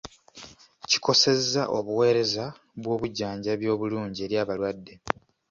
Kikosezza obuweereza bw'obujjanjabi obulungi eri abalwadde.